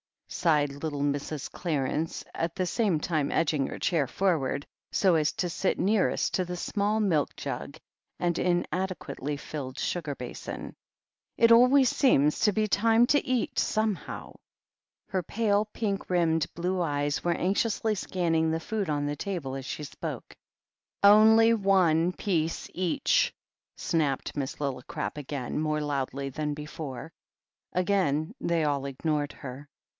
sighed little Mrs. Clarence, at the same time edging her chair forward, so as to sit nearest to the small milk jug and inadequately filled sugar basin. "It always seems to be time to eat, some how." Her pale, pink rimmed blue eyes were anx iously scanning the food on the table as she spoke. "Only one piece each," snapped Miss Lillicrap again, more loudly than before. Again they all ignored her.